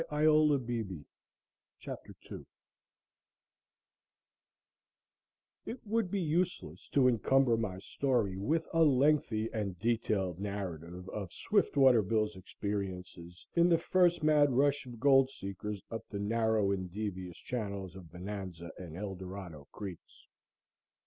IT WOULD be useless to encumber my story with a lengthy and detailed narrative of Swiftwater Bill's experiences in the first mad rush of gold seekers up the narrow and devious channels of Bonanza and Eldorado Creeks.